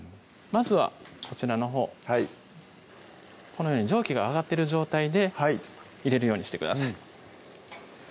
まずはこちらのほうこのように蒸気が上がってる状態で入れるようにしてください